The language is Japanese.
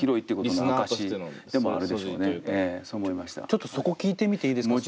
ちょっとそこ聴いてみていいですか？